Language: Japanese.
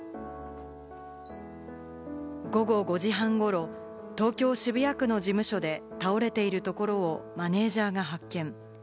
午後５時半ごろ、東京・渋谷区の事務所で倒れているところをマネジャーが発見。